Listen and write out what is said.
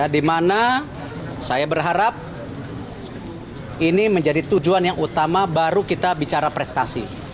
di mana saya berharap ini menjadi tujuan yang utama baru kita bicara prestasi